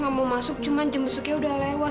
gak mau masuk cuman jam besoknya udah lewat